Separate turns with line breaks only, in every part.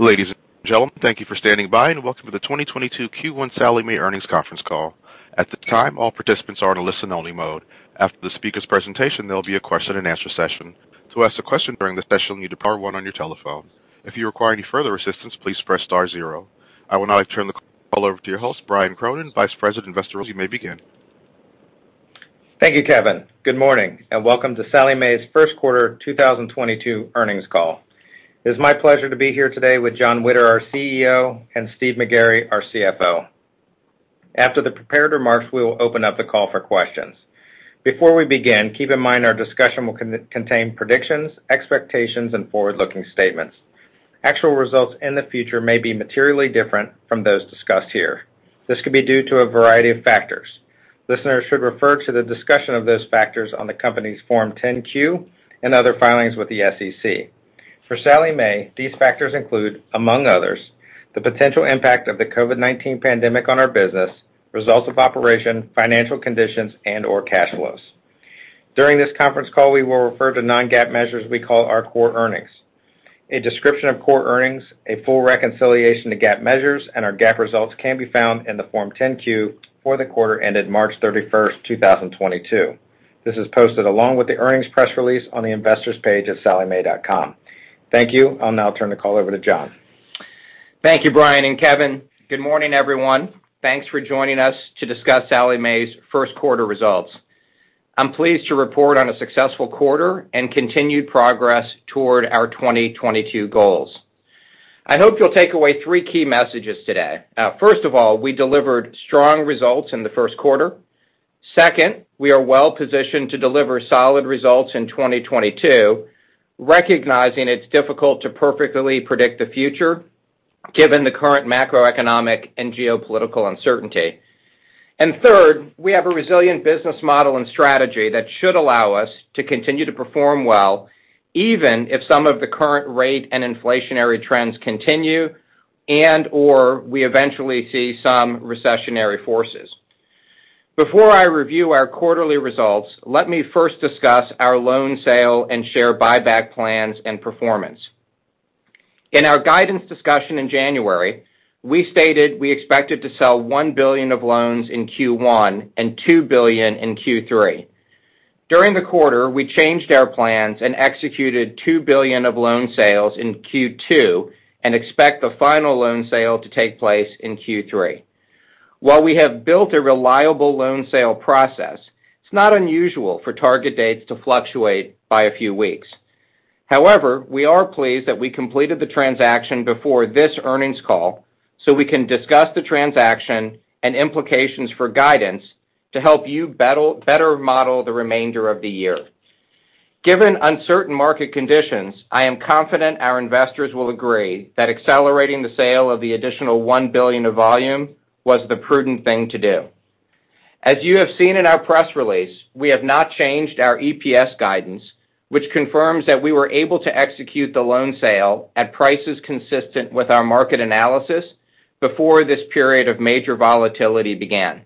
Ladies and gentlemen, thank you for standing by, and welcome to the 2022 Q1 Sallie Mae Earnings Conference Call. At this time, all participants are in a listen only mode. After the speaker's presentation, there'll be a question and answer session. To ask a question during the session, you need to press star one on your telephone. If you require any further assistance, please press star zero. I will now turn the call over to your host, Brian Cronin, Vice President, Investor Relations. You may begin.
Thank you, Kevin. Good morning, and welcome to Sallie Mae's Q1 2022 earnings call. It is my pleasure to be here today with Jon Witter, our CEO, and Steve McGarry, our CFO. After the prepared remarks, we will open up the call for questions. Before we begin, keep in mind our discussion will contain predictions, expectations, and forward-looking statements. Actual results in the future may be materially different from those discussed here. This could be due to a variety of factors. Listeners should refer to the discussion of those factors on the company's Form 10-Q and other filings with the SEC. For Sallie Mae, these factors include, among others, the potential impact of the COVID-19 pandemic on our business, results of operations, financial condition, and/or cash flows. During this conference call, we will refer to non-GAAP measures we call our Core Earnings. A description of Core Earnings, a full reconciliation to GAAP measures, and our GAAP results can be found in the Form 10-Q for the quarter ended March 31, 2022. This is posted along with the earnings press release on the Investors page at SallieMae.com. Thank you. I'll now turn the call over to Jon Witter.
Thank you, Brian and Kevin. Good morning, everyone. Thanks for joining us to discuss Sallie Mae's Q1 results. I'm pleased to report on a successful quarter and continued progress toward our 2022 goals. I hope you'll take away three key messages today. First of all, we delivered strong results in the Q1. Second, we are well positioned to deliver solid results in 2022, recognizing it's difficult to perfectly predict the future given the current macroeconomic and geopolitical uncertainty. Third, we have a resilient business model and strategy that should allow us to continue to perform well, even if some of the current rate and inflationary trends continue and/or we eventually see some recessionary forces. Before I review our quarterly results, let me first discuss our loan sale and share buyback plans and performance. In our guidance discussion in January, we stated we expected to sell $1 billion of loans in Q1 and $2 billion in Q3. During the quarter, we changed our plans and executed $2 billion of loan sales in Q2 and expect the final loan sale to take place in Q3. While we have built a reliable loan sale process, it's not unusual for target dates to fluctuate by a few weeks. However, we are pleased that we completed the transaction before this earnings call, so we can discuss the transaction and implications for guidance to help you better model the remainder of the year. Given uncertain market conditions, I am confident our investors will agree that accelerating the sale of the additional $1 billion of volume was the prudent thing to do. As you have seen in our press release, we have not changed our EPS guidance, which confirms that we were able to execute the loan sale at prices consistent with our market analysis before this period of major volatility began.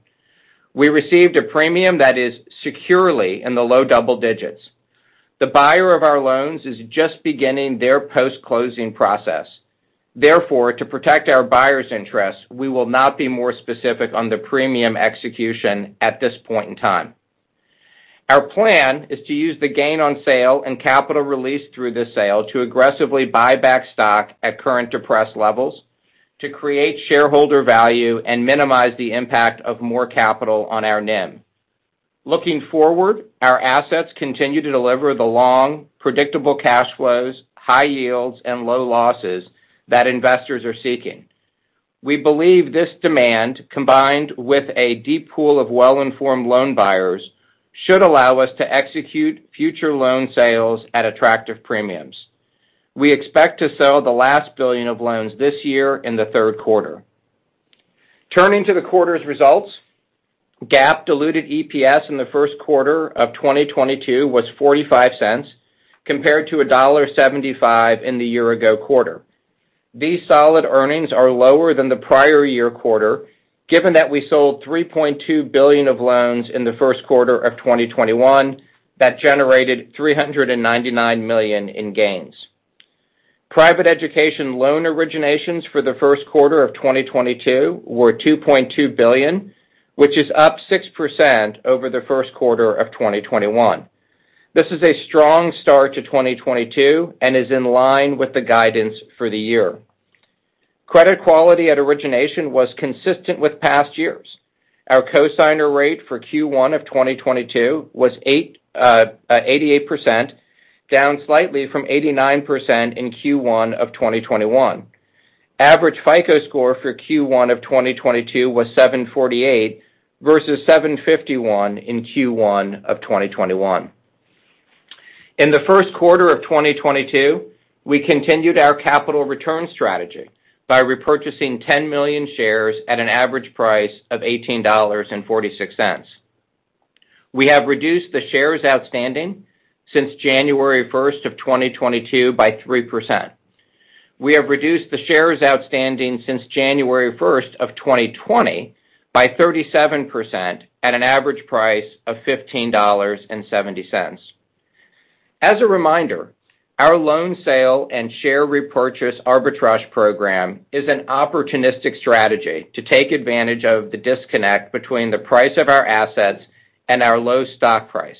We received a premium that is securely in the low double digits. The buyer of our loans is just beginning their post-closing process. Therefore, to protect our buyers' interests, we will not be more specific on the premium execution at this point in time. Our plan is to use the gain on sale and capital release through the sale to aggressively buy back stock at current depressed levels to create shareholder value and minimize the impact of more capital on our NIM. Looking forward, our assets continue to deliver the long, predictable cash flows, high yields, and low losses that investors are seeking. We believe this demand, combined with a deep pool of well-informed loan buyers, should allow us to execute future loan sales at attractive premiums. We expect to sell the last billion of loans this year in the Q3. Turning to the quarter's results, GAAP diluted EPS in the Q1 of 2022 was $0.45 compared to $1.75 in the year ago quarter. These solid earnings are lower than the prior year quarter, given that we sold $3.2 billion of loans in the Q1 of 2021 that generated $399 million in gains. Private education loan originations for the Q1 of 2022 were $2.2 billion, which is up 6% over the Q1 of 2021. This is a strong start to 2022 and is in line with the guidance for the year. Credit quality at origination was consistent with past years. Our cosigner rate for Q1 of 2022 was 88%, down slightly from 89% in Q1 of 2021. Average FICO score for Q1 of 2022 was 748 versus 751 in Q1 of 2021. In the Q1 of 2022, we continued our capital return strategy by repurchasing 10 million shares at an average price of $18.46. We have reduced the shares outstanding since January first of 2022 by 3%. We have reduced the shares outstanding since January first of 2020 by 37% at an average price of $15.70. As a reminder, our loan sale and share repurchase arbitrage program is an opportunistic strategy to take advantage of the disconnect between the price of our assets and our low stock price.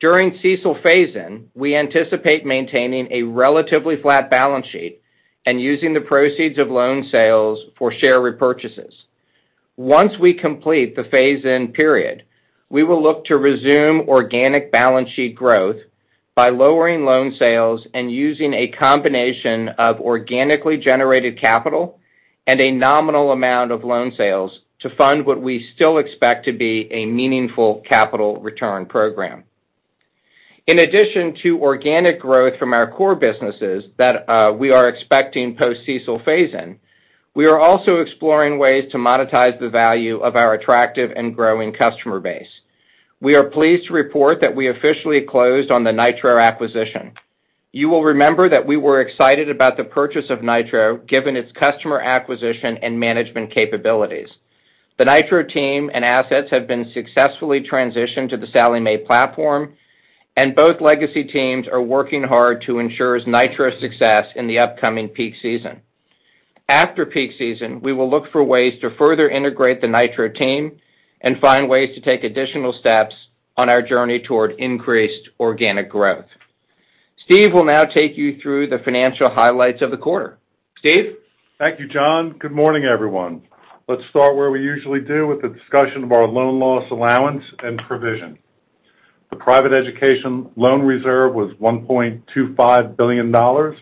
During CECL phase-in, we anticipate maintaining a relatively flat balance sheet and using the proceeds of loan sales for share repurchases. Once we complete the phase-in period, we will look to resume organic balance sheet growth by lowering loan sales and using a combination of organically generated capital and a nominal amount of loan sales to fund what we still expect to be a meaningful capital return program. In addition to organic growth from our core businesses that we are expecting post-CECL phase-in, we are also exploring ways to monetize the value of our attractive and growing customer base. We are pleased to report that we officially closed on the Nitro acquisition. You will remember that we were excited about the purchase of Nitro given its customer acquisition and management capabilities. The Nitro team and assets have been successfully transitioned to the Sallie Mae platform, and both legacy teams are working hard to ensure Nitro's success in the upcoming peak season. After peak season, we will look for ways to further integrate the Nitro team and find ways to take additional steps on our journey toward increased organic growth. Steve will now take you through the financial highlights of the quarter. Steve?
Thank you, Jon. Good morning, everyone. Let's start where we usually do with the discussion of our loan loss allowance and provision. The private education loan reserve was $1.25 billion or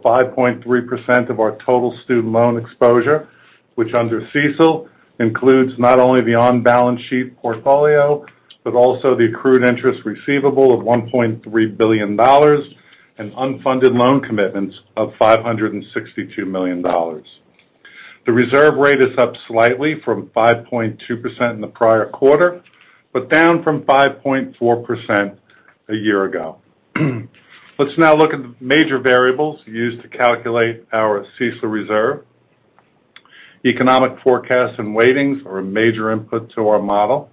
5.3% of our total student loan exposure, which under CECL includes not only the on-balance sheet portfolio, but also the accrued interest receivable of $1.3 billion and unfunded loan commitments of $562 million. The reserve rate is up slightly from 5.2% in the prior quarter, but down from 5.4% a year ago. Let's now look at the major variables used to calculate our CECL reserve. Economic forecasts and weightings are a major input to our model.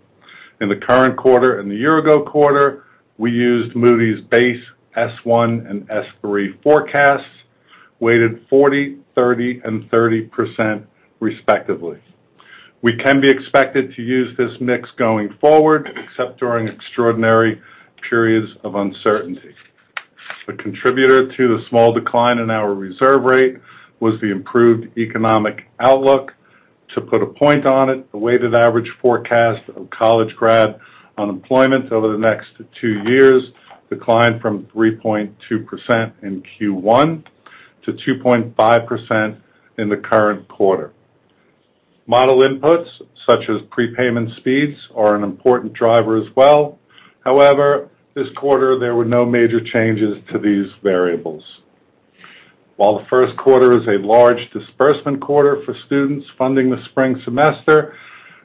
In the current quarter and the year-ago quarter, we used Moody's base S1 and S3 forecasts, weighted 40%, 30%, and 30% respectively. We can be expected to use this mix going forward, except during extraordinary periods of uncertainty. A contributor to the small decline in our reserve rate was the improved economic outlook. To put a point on it, the weighted average forecast of college grad unemployment over the next two years declined from 3.2% in Q1 to 2.5% in the current quarter. Model inputs, such as prepayment speeds, are an important driver as well. However, this quarter there were no major changes to these variables. While the Q1 is a large disbursement quarter for students funding the spring semester,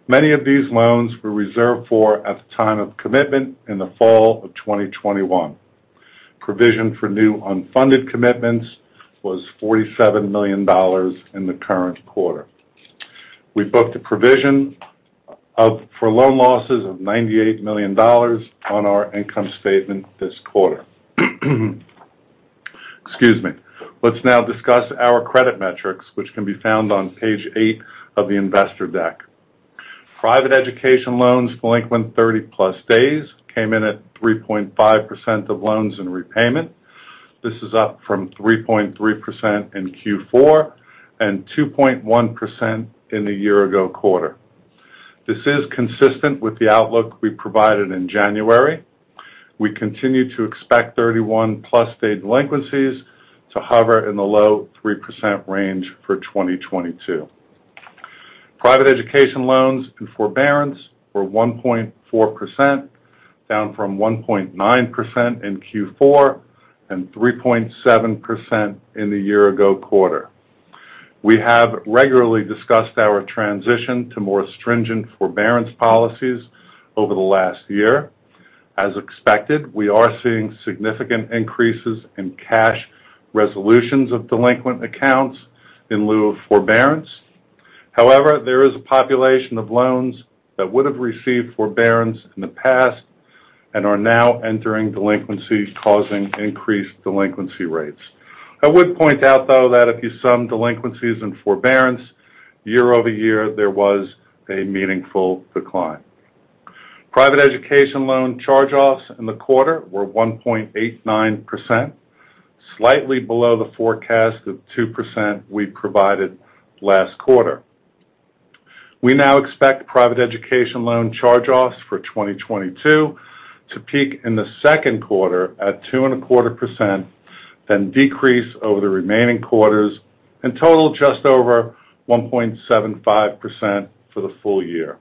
many of these loans were reserved for at the time of commitment in the fall of 2021. Provision for new unfunded commitments was $47 million in the current quarter. We booked a provision for loan losses of $98 million on our income statement this quarter. Excuse me. Let's now discuss our credit metrics, which can be found on page 8 of the investor deck. Private education loans delinquent 30-plus days came in at 3.5% of loans in repayment. This is up from 3.3% in Q4 and 2.1% in the year-ago quarter. This is consistent with the outlook we provided in January. We continue to expect 31-plus day delinquencies to hover in the low 3% range for 2022. Private education loans in forbearance were 1.4%, down from 1.9% in Q4 and 3.7% in the year-ago quarter. We have regularly discussed our transition to more stringent forbearance policies over the last year. As expected, we are seeing significant increases in cash resolutions of delinquent accounts in lieu of forbearance. However, there is a population of loans that would have received forbearance in the past and are now entering delinquency, causing increased delinquency rates. I would point out, though, that if you sum delinquencies and forbearance year-over-year, there was a meaningful decline. Private education loan charge-offs in the quarter were 1.89%, slightly below the forecast of 2% we provided last quarter. We now expect private education loan charge-offs for 2022 to peak in the Q2 at 2.25%, then decrease over the remaining quarters and total just over 1.75% for the full year.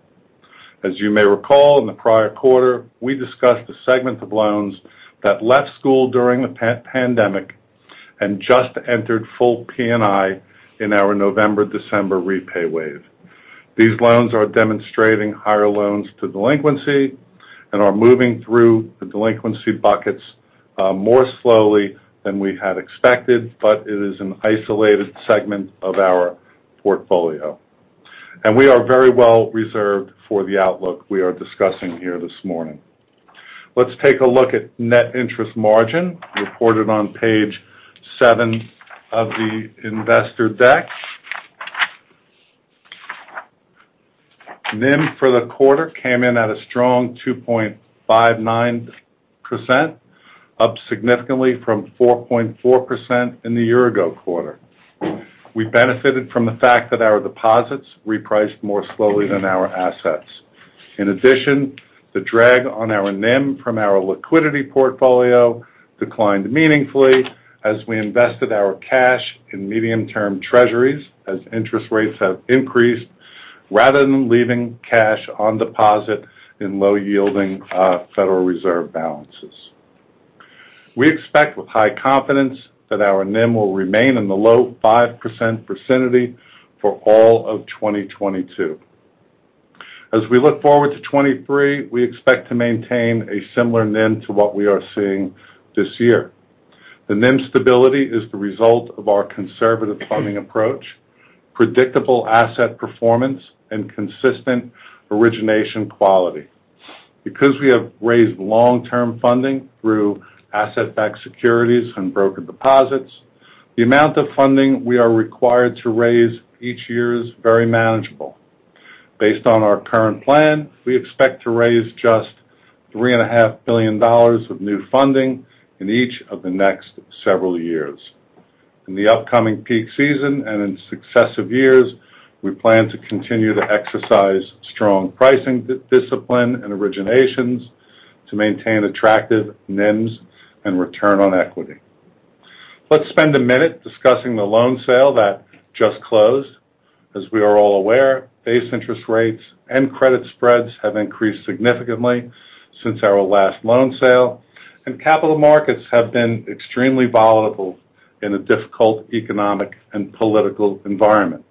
As you may recall, in the prior quarter, we discussed a segment of loans that left school during the pandemic and just entered full P&I in our November-December repay wave. These loans are demonstrating higher delinquency and are moving through the delinquency buckets more slowly than we had expected, but it is an isolated segment of our portfolio. We are very well reserved for the outlook we are discussing here this morning. Let's take a look at net interest margin reported on page seven of the investor deck. NIM for the quarter came in at a strong 2.59%, up significantly from 4.40% in the year-ago quarter. We benefited from the fact that our deposits repriced more slowly than our assets. In addition, the drag on our NIM from our liquidity portfolio declined meaningfully as we invested our cash in medium-term Treasuries as interest rates have increased, rather than leaving cash on deposit in low-yielding Federal Reserve balances. We expect with high confidence that our NIM will remain in the low 5% vicinity for all of 2022. As we look forward to 2023, we expect to maintain a similar NIM to what we are seeing this year. The NIM stability is the result of our conservative funding approach, predictable asset performance, and consistent origination quality. Because we have raised long-term funding through asset-backed securities and broker deposits, the amount of funding we are required to raise each year is very manageable. Based on our current plan, we expect to raise just $3.5 billion of new funding in each of the next several years. In the upcoming peak season and in successive years, we plan to continue to exercise strong pricing discipline and originations to maintain attractive NIMs and return on equity. Let's spend a minute discussing the loan sale that just closed. As we are all aware, base interest rates and credit spreads have increased significantly since our last loan sale, and capital markets have been extremely volatile in a difficult economic and political environment.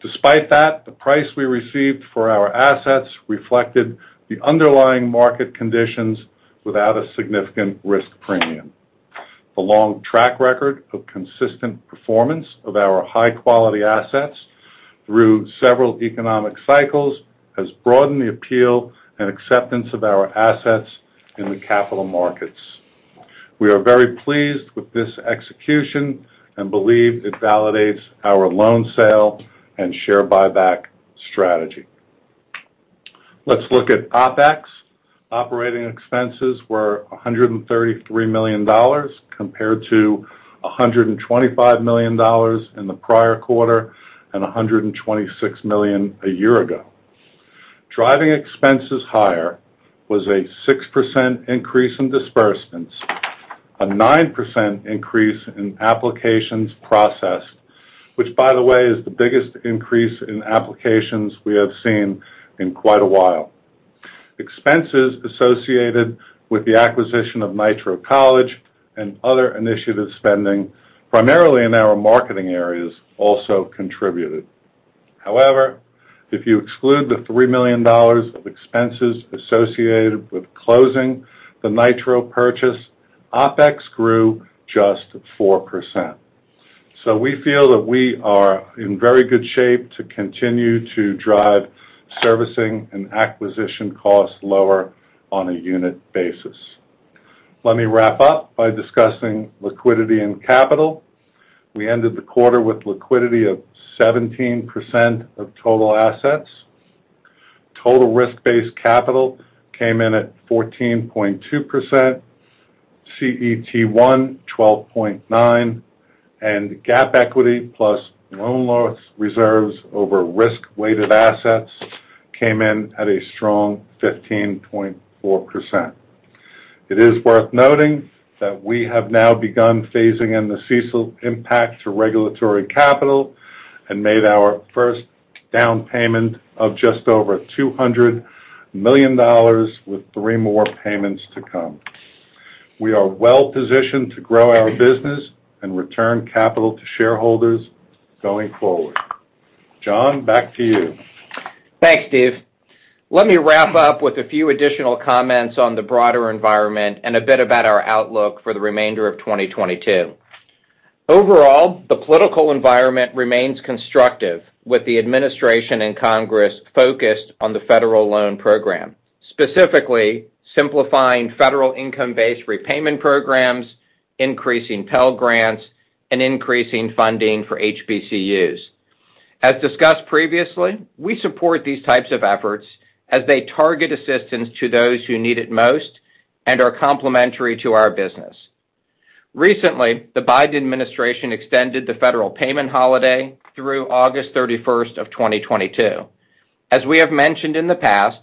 Despite that, the price we received for our assets reflected the underlying market conditions without a significant risk premium. The long track record of consistent performance of our high-quality assets through several economic cycles has broadened the appeal and acceptance of our assets in the capital markets. We are very pleased with this execution and believe it validates our loan sale and share buyback strategy. Let's look at OpEx. Operating expenses were $133 million compared to $125 million in the prior quarter, and $126 million a year ago. Driving expenses higher was a 6% increase in disbursements, a 9% increase in applications processed, which by the way, is the biggest increase in applications we have seen in quite a while. Expenses associated with the acquisition of Nitro College and other initiative spending, primarily in our marketing areas, also contributed. However, if you exclude the $3 million of expenses associated with closing the Nitro purchase, OpEx grew just 4%. We feel that we are in very good shape to continue to drive servicing and acquisition costs lower on a unit basis. Let me wrap up by discussing liquidity and capital. We ended the quarter with liquidity of 17% of total assets. Total risk-based capital came in at 14.2%, CET1 12.9%, and GAAP equity plus loan loss reserves over risk-weighted assets came in at a strong 15.4%. It is worth noting that we have now begun phasing in the CECL impact to regulatory capital and made our first down payment of just over $200 million with three more payments to come. We are well-positioned to grow our business and return capital to shareholders going forward. John, back to you.
Thanks, Steve. Let me wrap up with a few additional comments on the broader environment and a bit about our outlook for the remainder of 2022. Overall, the political environment remains constructive with the administration and Congress focused on the federal loan program, specifically simplifying federal income-based repayment programs, increasing Pell Grants, and increasing funding for HBCUs. As discussed previously, we support these types of efforts as they target assistance to those who need it most and are complementary to our business. Recently, the Biden administration extended the federal payment holiday through August 31, 2022. As we have mentioned in the past,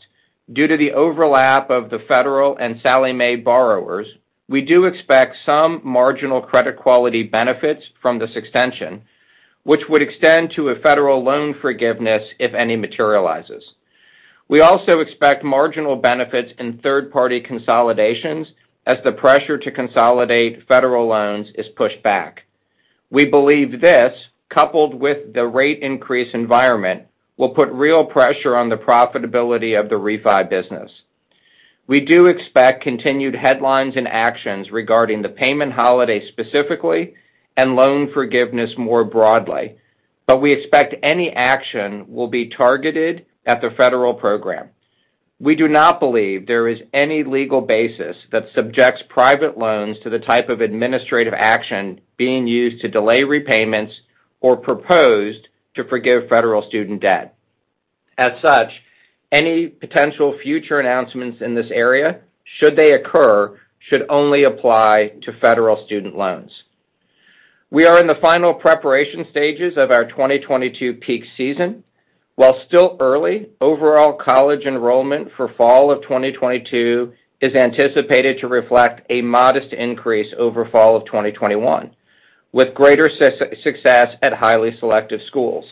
due to the overlap of the federal and Sallie Mae borrowers, we do expect some marginal credit quality benefits from this extension, which would extend to a federal loan forgiveness if any materializes. We also expect marginal benefits in third-party consolidations as the pressure to consolidate federal loans is pushed back. We believe this, coupled with the rate increase environment, will put real pressure on the profitability of the refi business. We do expect continued headlines and actions regarding the payment holiday specifically, and loan forgiveness more broadly. We expect any action will be targeted at the federal program. We do not believe there is any legal basis that subjects private loans to the type of administrative action being used to delay repayments or proposed to forgive federal student debt. As such, any potential future announcements in this area, should they occur, should only apply to federal student loans. We are in the final preparation stages of our 2022 peak season. While still early, overall college enrollment for fall of 2022 is anticipated to reflect a modest increase over fall of 2021, with greater success at highly selective schools.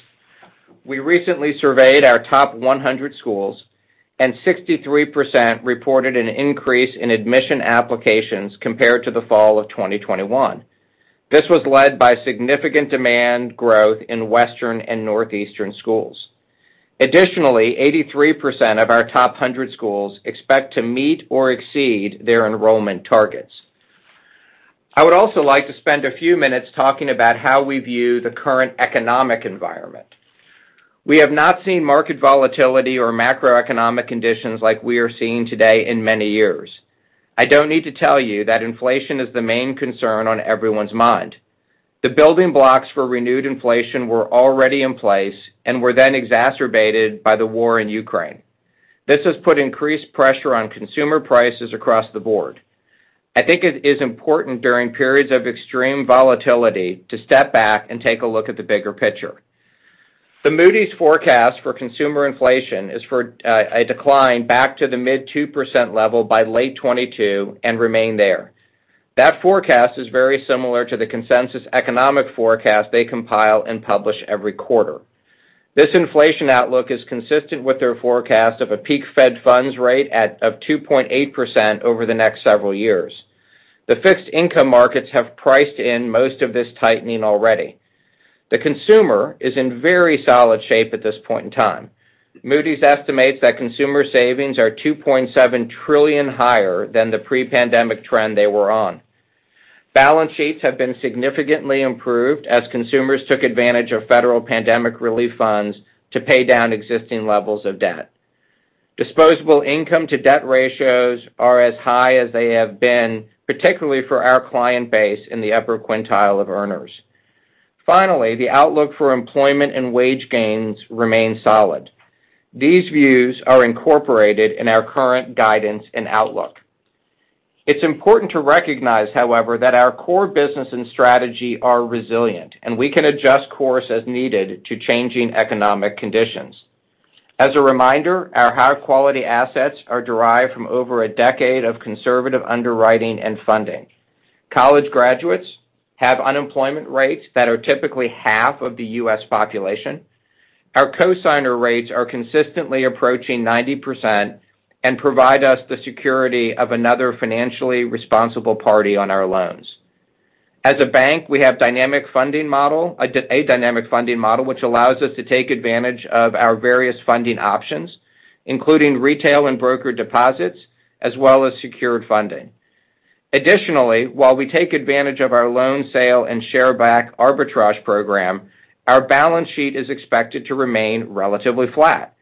We recently surveyed our top 100 schools, and 63% reported an increase in admission applications compared to the fall of 2021. This was led by significant demand growth in Western and Northeastern schools. Additionally, 83% of our top 100 schools expect to meet or exceed their enrollment targets. I would also like to spend a few minutes talking about how we view the current economic environment. We have not seen market volatility or macroeconomic conditions like we are seeing today in many years. I don't need to tell you that inflation is the main concern on everyone's mind. The building blocks for renewed inflation were already in place and were then exacerbated by the war in Ukraine. This has put increased pressure on consumer prices across the board. I think it is important during periods of extreme volatility to step back and take a look at the bigger picture. The Moody's forecast for consumer inflation is for a decline back to the mid-2% level by late 2022 and remain there. That forecast is very similar to the consensus economic forecast they compile and publish every quarter. This inflation outlook is consistent with their forecast of a peak Fed funds rate of 2.8% over the next several years. The fixed income markets have priced in most of this tightening already. The consumer is in very solid shape at this point in time. Moody's estimates that consumer savings are 2.7 trillion higher than the pre-pandemic trend they were on. Balance sheets have been significantly improved as consumers took advantage of federal pandemic relief funds to pay down existing levels of debt. Disposable income to debt ratios are as high as they have been, particularly for our client base in the upper quintile of earners. Finally, the outlook for employment and wage gains remain solid. These views are incorporated in our current guidance and outlook. It's important to recognize, however, that our core business and strategy are resilient, and we can adjust course as needed to changing economic conditions. As a reminder, our high-quality assets are derived from over a decade of conservative underwriting and funding. College graduates have unemployment rates that are typically half of the U.S. population. Our cosigner rates are consistently approaching 90% and provide us the security of another financially responsible party on our loans. As a bank, we have a dynamic funding model, which allows us to take advantage of our various funding options, including retail and broker deposits, as well as secured funding. Additionally, while we take advantage of our loan sale and share back arbitrage program, our balance sheet is expected to remain relatively flat.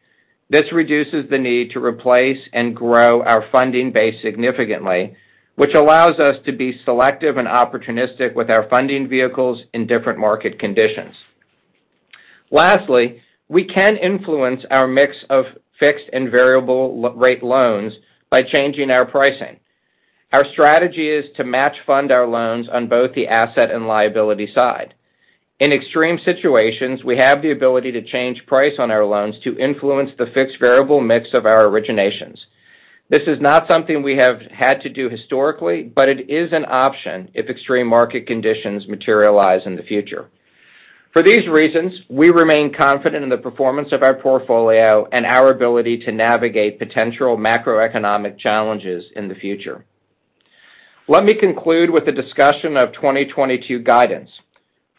This reduces the need to replace and grow our funding base significantly, which allows us to be selective and opportunistic with our funding vehicles in different market conditions. Lastly, we can influence our mix of fixed and variable rate loans by changing our pricing. Our strategy is to match fund our loans on both the asset and liability side. In extreme situations, we have the ability to change price on our loans to influence the fixed variable mix of our originations. This is not something we have had to do historically, but it is an option if extreme market conditions materialize in the future. For these reasons, we remain confident in the performance of our portfolio and our ability to navigate potential macroeconomic challenges in the future. Let me conclude with a discussion of 2022 guidance.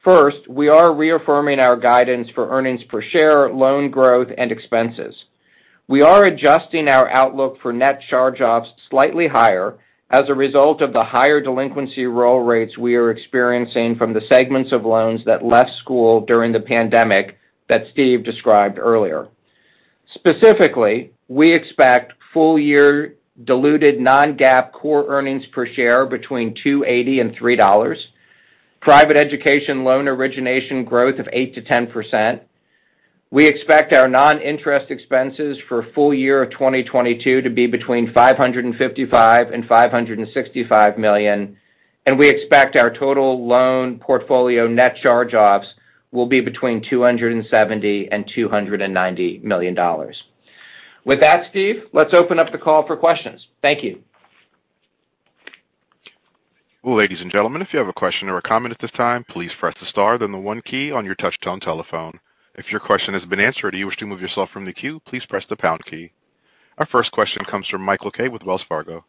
First, we are reaffirming our guidance for earnings per share, loan growth, and expenses. We are adjusting our outlook for net charge-offs slightly higher as a result of the higher delinquency roll rates we are experiencing from the segments of loans that left school during the pandemic that Steve described earlier. Specifically, we expect full year diluted non-GAAP Core Earnings per share between $2.80 and $3. Private education loan origination growth of 8%-10%. We expect our non-interest expenses for full year of 2022 to be between $555 million and $565 million, and we expect our total loan portfolio net charge-offs will be between $270 million and $290 million. With that, Steve, let's open up the call for questions. Thank you.
Ladies and gentlemen, if you have a question or a comment at this time, please press the star, then the one key on your touchtone telephone. If your question has been answered or you wish to move yourself from the queue, please press the pound key. Our first question comes from Michael Kaye with Wells Fargo.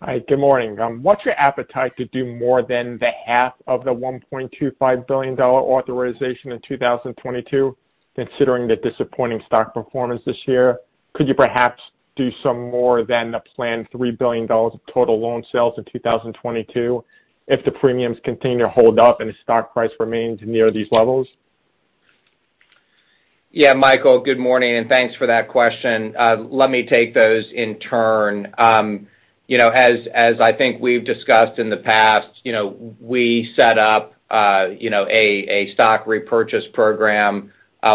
Hi, good morning. What's your appetite to do more than the half of the $1.25 billion authorization in 2022, considering the disappointing stock performance this year? Could you perhaps do some more than the planned $3 billion of total loan sales in 2022 if the premiums continue to hold up and the stock price remains near these levels?
Yeah, Michael, good morning, and thanks for that question. Let me take those in turn. You know, as I think we've discussed in the past, you know, we set up a stock repurchase program.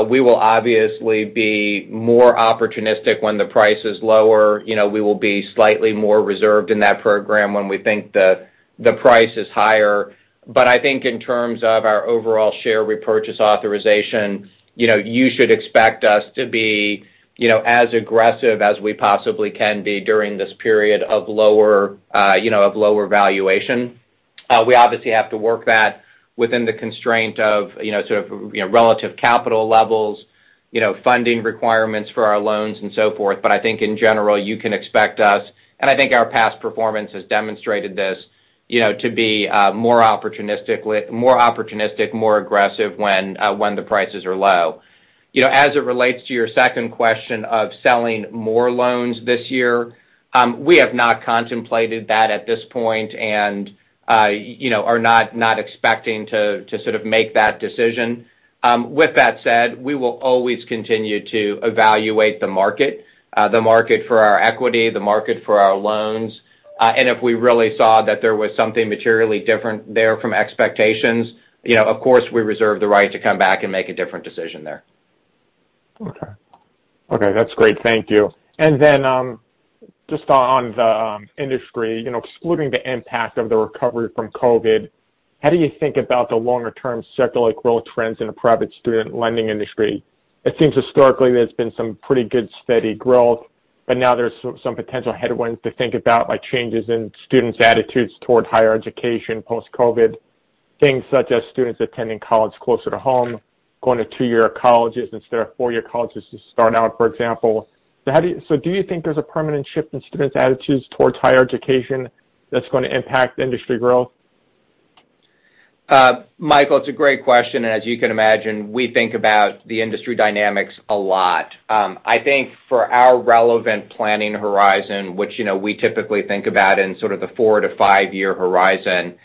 We will obviously be more opportunistic when the price is lower. You know, we will be slightly more reserved in that program when we think the price is higher. But I think in terms of our overall share repurchase authorization, you know, you should expect us to be, you know, as aggressive as we possibly can be during this period of lower valuation. We obviously have to work that within the constraint of sort of relative capital levels, you know, funding requirements for our loans and so forth. I think in general, you can expect us, and I think our past performance has demonstrated this, you know, to be more opportunistic, more aggressive when the prices are low. You know, as it relates to your second question of selling more loans this year, we have not contemplated that at this point and, you know, are not expecting to sort of make that decision. With that said, we will always continue to evaluate the market, the market for our equity, the market for our loans. If we really saw that there was something materially different there from expectations, you know, of course, we reserve the right to come back and make a different decision there.
Okay. Okay, that's great. Thank you. Just on the industry, you know, excluding the impact of the recovery from COVID, how do you think about the longer-term secular growth trends in the private student lending industry? It seems historically there's been some pretty good steady growth, but now there's some potential headwinds to think about, like changes in students' attitudes towards higher education post-COVID, things such as students attending college closer to home, going to two-year colleges instead of four-year colleges to start out, for example. Do you think there's a permanent shift in students' attitudes towards higher education that's gonna impact industry growth?
Michael, it's a great question, and as you can imagine, we think about the industry dynamics a lot. I think for our relevant planning horizon, which, you know, we typically think about in sort of the 4-5-year horizon,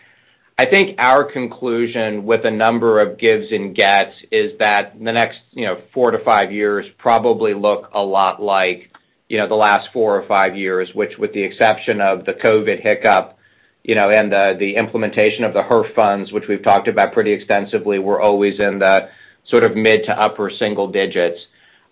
I think our conclusion with a number of gives and gets is that the next, you know, 4-5 years probably look a lot like, you know, the last four or five years. Which, with the exception of the COVID hiccup, you know, and the implementation of the HEERF funds, which we've talked about pretty extensively, we're always in the sort of mid- to upper-single digits.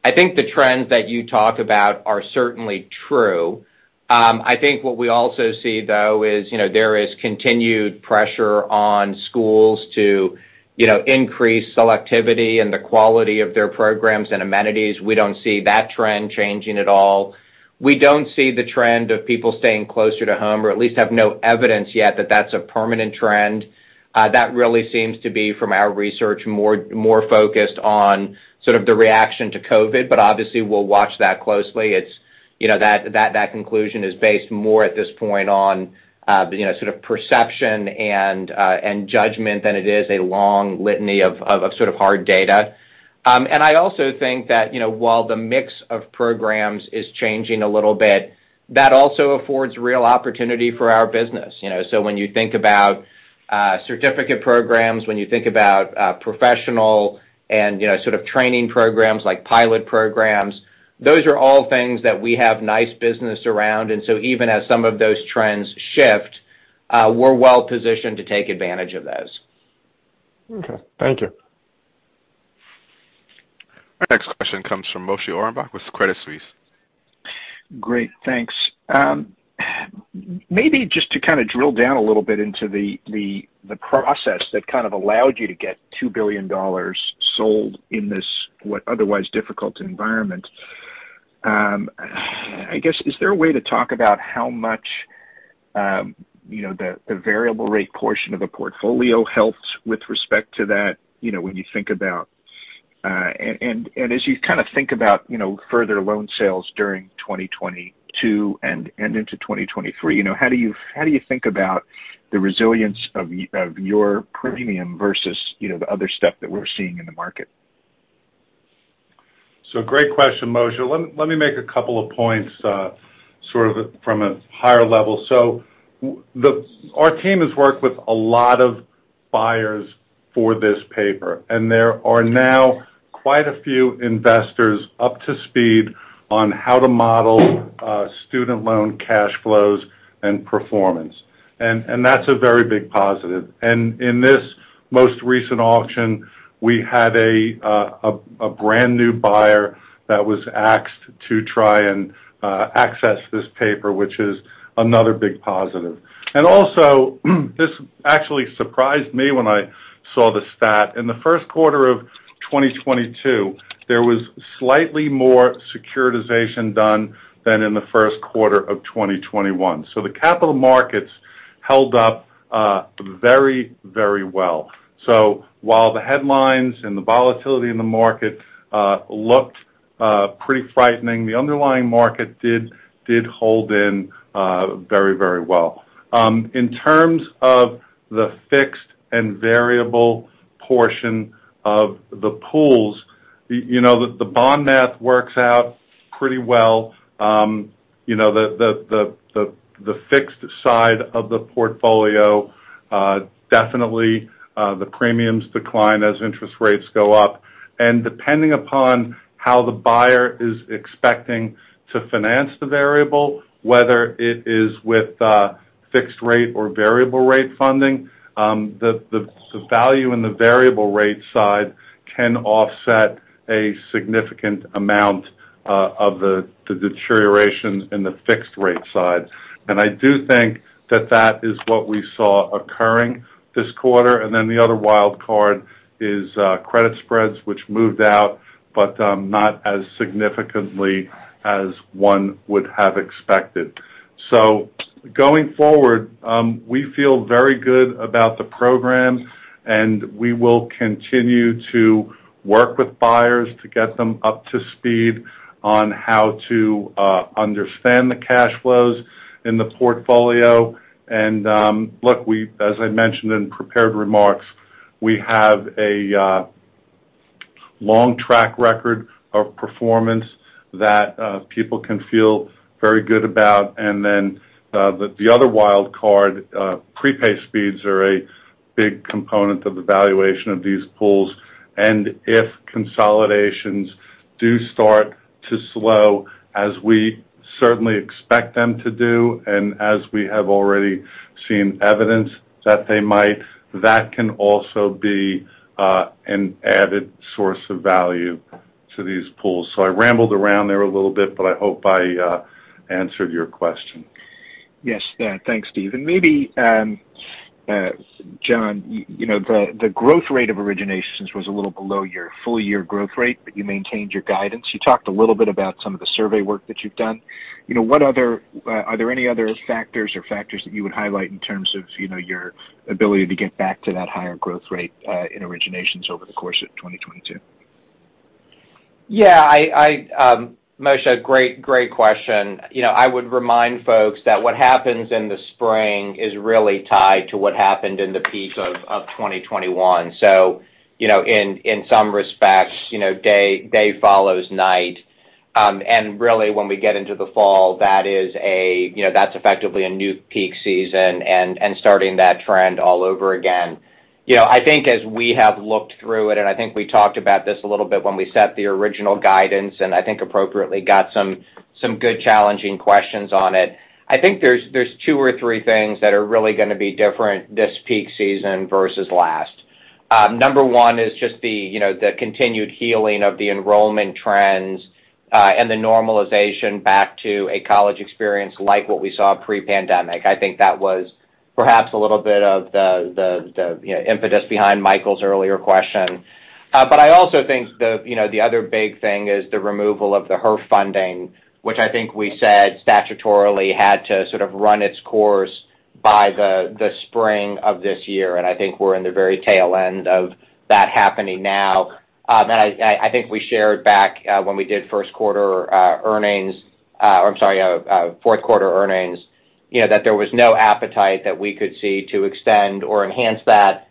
I think the trends that you talk about are certainly true. I think what we also see, though, is, you know, there is continued pressure on schools to, you know, increase selectivity and the quality of their programs and amenities. We don't see that trend changing at all. We don't see the trend of people staying closer to home, or at least have no evidence yet that that's a permanent trend. That really seems to be, from our research, more focused on sort of the reaction to COVID, but obviously, we'll watch that closely. You know, that conclusion is based more at this point on, you know, sort of perception and judgment than it is a long litany of sort of hard data. I also think that, you know, while the mix of programs is changing a little bit, that also affords real opportunity for our business. You know, so when you think about certificate programs, when you think about professional and, you know, sort of training programs like pilot programs, those are all things that we have nice business around. Even as some of those trends shift, we're well-positioned to take advantage of those.
Okay. Thank you.
Our next question comes from Moshe Orenbuch with Credit Suisse.
Great, thanks. Maybe just to kinda drill down a little bit into the process that kind of allowed you to get $2 billion sold in this what otherwise difficult environment. I guess, is there a way to talk about how much, you know, the variable rate portion of a portfolio helped with respect to that, you know, when you think about as you kind of think about, you know, further loan sales during 2022 and into 2023, you know, how do you think about the resilience of your premium versus, you know, the other stuff that we're seeing in the market?
Great question, Moshe Orenbuch. Let me make a couple of points, sort of from a higher level. Our team has worked with a lot of buyers for this paper, and there are now quite a few investors up to speed on how to model student loan cash flows and performance. And that's a very big positive. In this most recent auction, we had a brand-new buyer that was asked to try and access this paper, which is another big positive. Also, this actually surprised me when I saw the stat. In the Q1 of 2022, there was slightly more securitization done than in the Q1 of 2021. The capital markets Held up very well. While the headlines and the volatility in the market looked pretty frightening, the underlying market did hold in very well. In terms of the fixed and variable portion of the pools, you know, the bond math works out pretty well. You know, the fixed side of the portfolio definitely the premiums decline as interest rates go up. Depending upon how the buyer is expecting to finance the variable, whether it is with fixed rate or variable rate funding, the value in the variable rate side can offset a significant amount of the deterioration in the fixed rate side. I do think that is what we saw occurring this quarter. Then the other wild card is credit spreads, which moved out, but not as significantly as one would have expected. Going forward, we feel very good about the program, and we will continue to work with buyers to get them up to speed on how to understand the cash flows in the portfolio. Look, as I mentioned in prepared remarks, we have a long track record of performance that people can feel very good about. Then the other wild card, prepay speeds are a big component of the valuation of these pools. If consolidations do start to slow, as we certainly expect them to do and as we have already seen evidence that they might, that can also be an added source of value to these pools. I rambled around there a little bit, but I hope I answered your question.
Yes. Yeah. Thanks, Steve. Maybe John, you know, the growth rate of originations was a little below your full year growth rate, but you maintained your guidance. You talked a little bit about some of the survey work that you've done. You know, what other are there any other factors that you would highlight in terms of, you know, your ability to get back to that higher growth rate in originations over the course of 2022?
Yeah, Moshe, great question. You know, I would remind folks that what happens in the spring is really tied to what happened in the peak of 2021. You know, in some respects, you know, day follows night. Really, when we get into the fall, that is, you know, that's effectively a new peak season and starting that trend all over again. You know, I think as we have looked through it, and I think we talked about this a little bit when we set the original guidance, and I think appropriately got some good challenging questions on it, I think there's two or three things that are really gonna be different this peak season versus last. Number one is just the, you know, the continued healing of the enrollment trends, and the normalization back to a college experience like what we saw pre-pandemic. I think that was perhaps a little bit of the, you know, impetus behind Michael's earlier question. But I also think the, you know, the other big thing is the removal of the HERF funding, which I think we said statutorily had to sort of run its course by the spring of this year. I think we're in the very tail end of that happening now. I think we shared back when we did Q1 earnings, or I'm sorry, Q4 earnings, you know, that there was no appetite that we could see to extend or enhance that,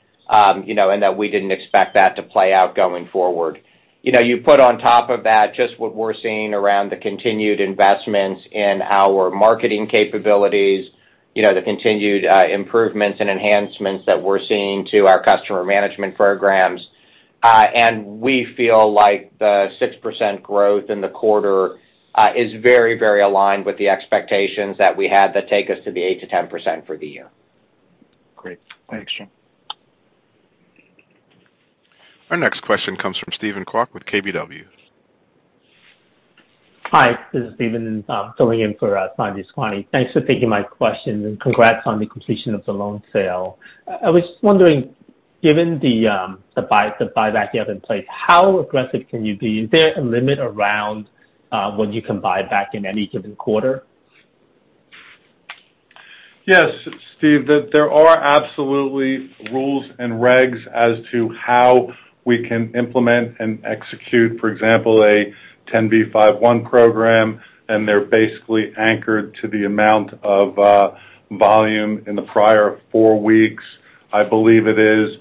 you know, and that we didn't expect that to play out going forward. You know, you put on top of that just what we're seeing around the continued investments in our marketing capabilities, you know, the continued improvements and enhancements that we're seeing to our customer management programs, and we feel like the 6% growth in the quarter is very, very aligned with the expectations that we had that take us to the 8%-10% for the year.
Great. Thanks, Jon. Our next question comes from Steven Kwok with KBW.
Hi, this is Steven. I'm filling in for Sanjay Sakhrani. Thanks for taking my question, and congrats on the completion of the loan sale. I was just wondering, given the buyback you have in place, how aggressive can you be? Is there a limit around what you can buy back in any given quarter?
Yes, Steve. There are absolutely rules and regs as to how we can implement and execute, for example, a 10b5-1 program, and they're basically anchored to the amount of volume in the prior four weeks, I believe it is.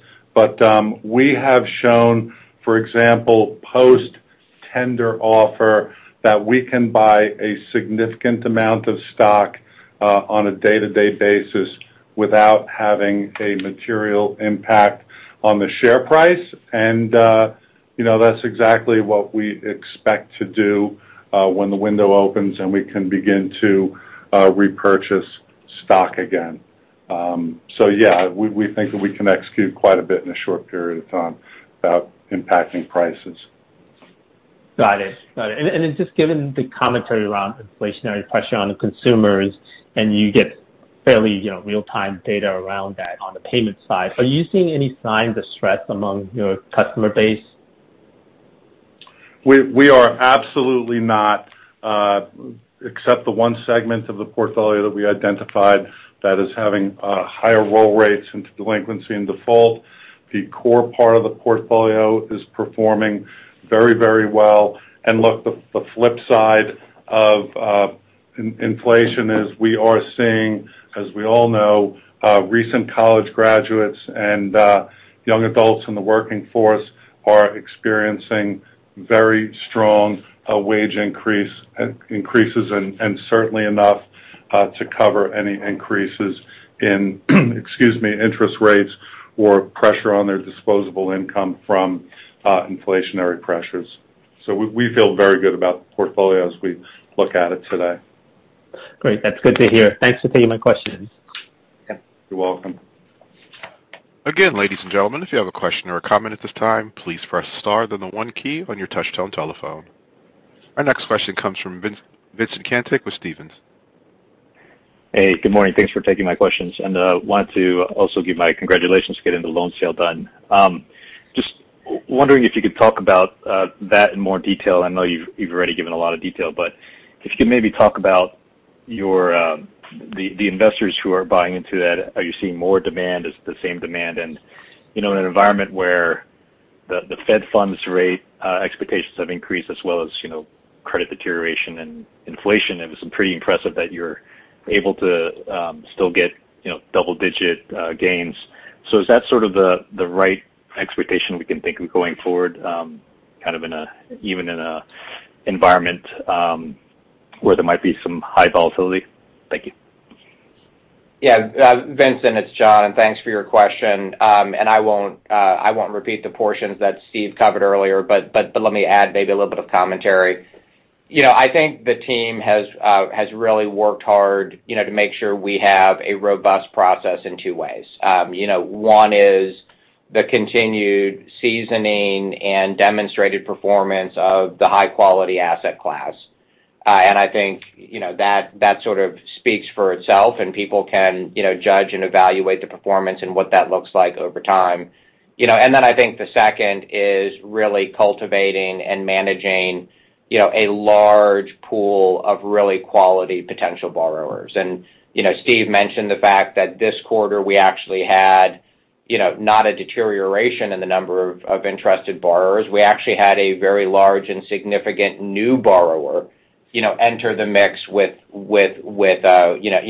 We have shown, for example, post-tender offer that we can buy a significant amount of stock on a day-to-day basis without having a material impact on the share price. You know, that's exactly what we expect to do when the window opens, and we can begin to repurchase stock again. We think that we can execute quite a bit in a short period of time without impacting prices.
Got it. Then just given the commentary around inflationary pressure on the consumers, and you get fairly, you know, real-time data around that on the payment side, are you seeing any signs of stress among your customer base?
We are absolutely not, except the one segment of the portfolio that we identified that is having higher roll rates into delinquency and default. The core part of the portfolio is performing very well. Look, the flip side of inflation is we are seeing, as we all know, recent college graduates and young adults in the workforce are experiencing very strong wage increases and certainly enough to cover any increases in, excuse me, interest rates or pressure on their disposable income from inflationary pressures. We feel very good about the portfolio as we look at it today.
Great. That's good to hear. Thanks for taking my questions.
You're welcome.
Again, ladies and gentlemen, if you have a question or a comment at this time, please press star then the 1 key on your touch-tone telephone. Our next question comes from Vincent Caintic with Stephens.
Hey, good morning. Thanks for taking my questions. Wanted to also give my congratulations to getting the loan sale done. Just wondering if you could talk about that in more detail. I know you've already given a lot of detail, but if you could maybe talk about your the investors who are buying into that. Are you seeing more demand? Is it the same demand? In an environment where the fed funds rate expectations have increased as well as credit deterioration and inflation, it was pretty impressive that you're able to still get double digit gains. Is that sort of the right expectation we can think of going forward, kind of even in a environment where there might be some high volatility? Thank you.
Yeah. Vincent Caintic, it's Jon Witter, and thanks for your question. I won't repeat the portions that Steve McGarry covered earlier, but let me add maybe a little bit of commentary. You know, I think the team has really worked hard, you know, to make sure we have a robust process in two ways. You know, one is the continued seasoning and demonstrated performance of the high-quality asset class. I think, you know, that sort of speaks for itself and people can, you know, judge and evaluate the performance and what that looks like over time. You know, then I think the second is really cultivating and managing, you know, a large pool of really quality potential borrowers. You know, Steve mentioned the fact that this quarter, we actually had, you know, not a deterioration in the number of interested borrowers. We actually had a very large and significant new borrower, you know, enter the mix with interest.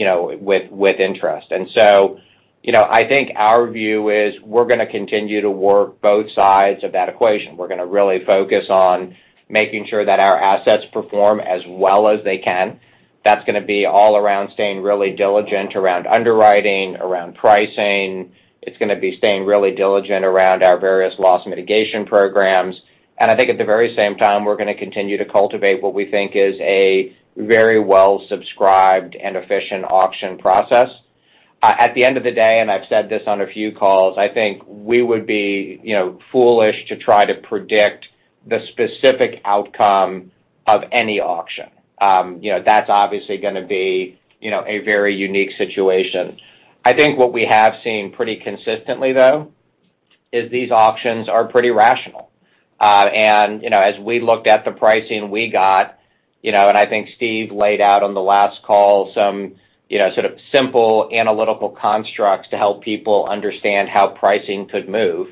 You know, I think our view is we're gonna continue to work both sides of that equation. We're gonna really focus on making sure that our assets perform as well as they can. That's gonna be all around staying really diligent around underwriting, around pricing. It's gonna be staying really diligent around our various loss mitigation programs. I think at the very same time, we're gonna continue to cultivate what we think is a very well subscribed and efficient auction process. At the end of the day, and I've said this on a few calls, I think we would be, you know, foolish to try to predict the specific outcome of any auction. You know, that's obviously gonna be, you know, a very unique situation. I think what we have seen pretty consistently though, is these auctions are pretty rational. You know, as we looked at the pricing we got, you know, and I think Steve laid out on the last call some, you know, sort of simple analytical constructs to help people understand how pricing could move.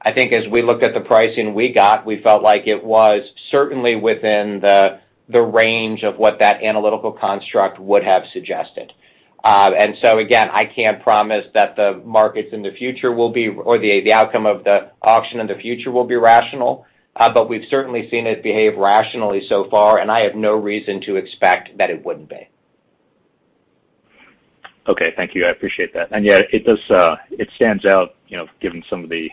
I think as we looked at the pricing we got, we felt like it was certainly within the range of what that analytical construct would have suggested. Again, I can't promise that the markets in the future will be, or the outcome of the auction in the future will be rational, but we've certainly seen it behave rationally so far, and I have no reason to expect that it wouldn't be.
Okay. Thank you. I appreciate that. Yeah, it does, it stands out, you know, given some of the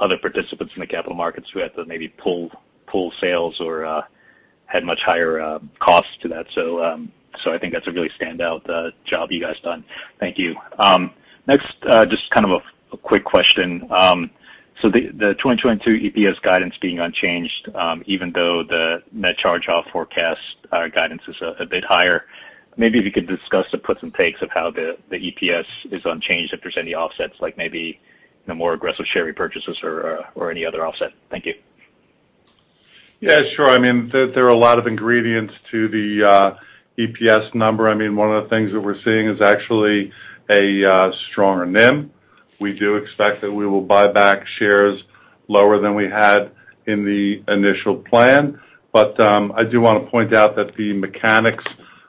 other participants in the capital markets who had to maybe pull sales or, had much higher costs to that. I think that's a really standout job you guys done. Thank you. Next, just kind of a quick question. The 2022 EPS guidance being unchanged, even though the net charge off forecast guidance is a bit higher. Maybe if you could discuss the puts and takes of how the EPS is unchanged, if there's any offsets, like maybe, you know, more aggressive share repurchases or any other offset. Thank you.
Yeah, sure. I mean, there are a lot of ingredients to the EPS number. I mean, one of the things that we're seeing is actually a stronger NIM. We do expect that we will buy back shares lower than we had in the initial plan. I do wanna point out that the mechanics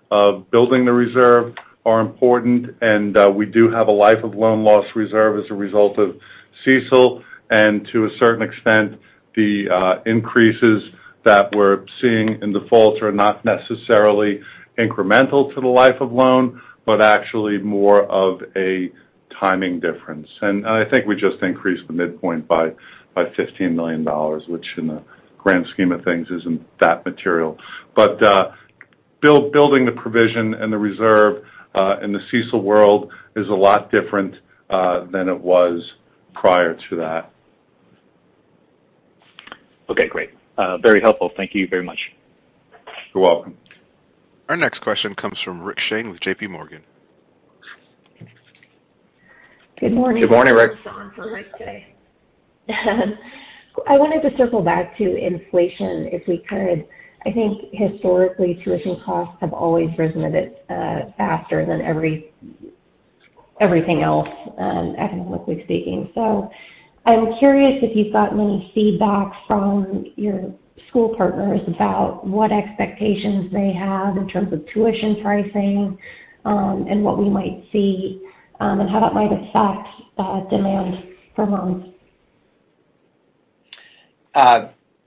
of building the reserve are important, and we do have a life of loan loss reserve as a result of CECL. To a certain extent, the increases that we're seeing in defaults are not necessarily incremental to the life of loan, but actually more of a timing difference. I think we just increased the midpoint by $15 million, which in the grand scheme of things isn't that material. Building the provision and the reserve in the CECL world is a lot different than it was prior to that.
Okay, great. Very helpful. Thank you very much.
You're welcome.
Our next question comes from Rick Shane with J.P. Morgan.
Good morning.
Good morning, Rick.
I wanted to circle back to inflation if we could. I think historically, tuition costs have always risen a bit faster than everything else economically speaking. I'm curious if you've got any feedback from your school partners about what expectations they have in terms of tuition pricing and what we might see and how that might affect demand for loans.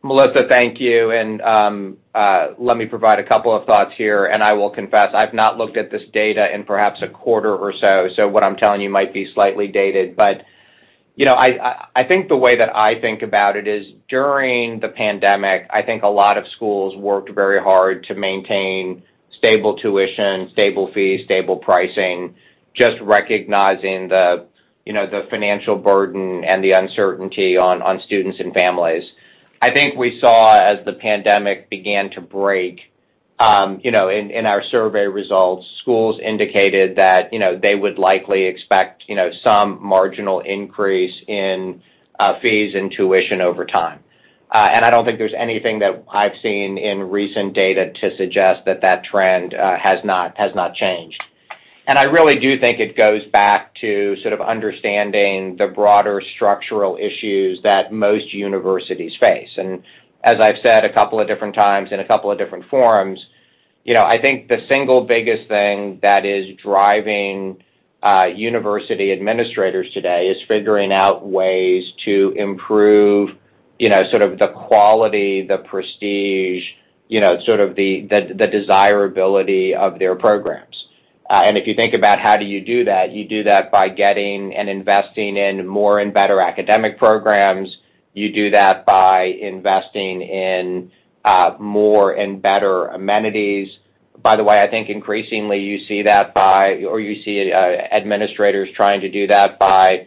Melissa, thank you. Let me provide a couple of thoughts here, and I will confess, I've not looked at this data in perhaps a quarter or so what I'm telling you might be slightly dated. You know, I think the way that I think about it is during the pandemic, I think a lot of schools worked very hard to maintain stable tuition, stable fees, stable pricing, just recognizing the, you know, the financial burden and the uncertainty on students and families. I think we saw as the pandemic began to break, you know, in our survey results, schools indicated that, you know, they would likely expect, you know, some marginal increase in fees and tuition over time. I don't think there's anything that I've seen in recent data to suggest that that trend has not changed. I really do think it goes back to sort of understanding the broader structural issues that most universities face. As I've said a couple of different times in a couple of different forums, you know, I think the single biggest thing that is driving university administrators today is figuring out ways to improve, you know, sort of the quality, the prestige, you know, sort of the desirability of their programs. If you think about how do you do that, you do that by getting and investing in more and better academic programs. You do that by investing in more and better amenities. By the way, I think increasingly you see administrators trying to do that by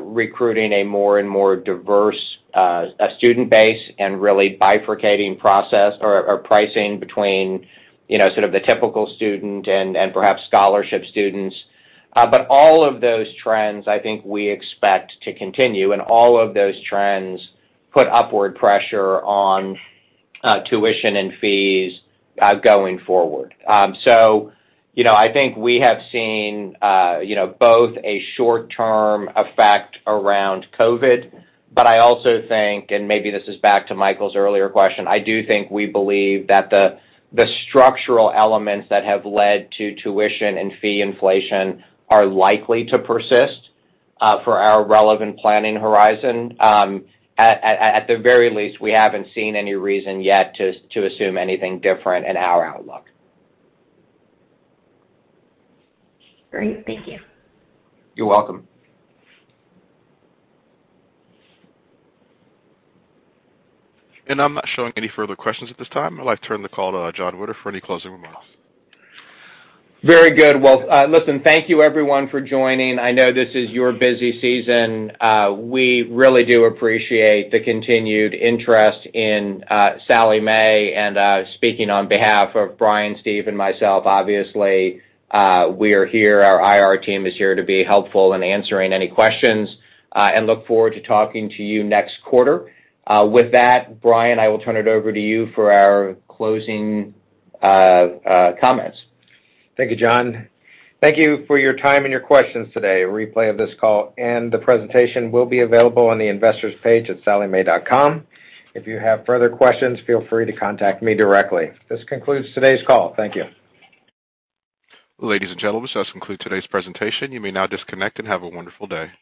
recruiting a more and more diverse student base and really bifurcating process or pricing between, you know, sort of the typical student and perhaps scholarship students. All of those trends I think we expect to continue, and all of those trends put upward pressure on tuition and fees going forward. You know, I think we have seen both a short term effect around COVID, but I also think, and maybe this is back to Michael's earlier question, I do think we believe that the structural elements that have led to tuition and fee inflation are likely to persist for our relevant planning horizon. At the very least, we haven't seen any reason yet to assume anything different in our outlook.
Great. Thank you.
You're welcome.
I'm not showing any further questions at this time. I'd like to turn the call to Jon Witter for any closing remarks.
Very good. Well, listen, thank you everyone for joining. I know this is your busy season. We really do appreciate the continued interest in Sallie Mae. Speaking on behalf of Brian, Steve, and myself, obviously, we are here, our IR team is here to be helpful in answering any questions, and look forward to talking to you next quarter. With that, Brian, I will turn it over to you for our closing comments.
Thank you, Jon. Thank you for your time and your questions today. A replay of this call and the presentation will be available on the investors page at SallieMae.com. If you have further questions, feel free to contact me directly. This concludes today's call. Thank you.
Ladies and gentlemen, this does conclude today's presentation. You may now disconnect and have a wonderful day.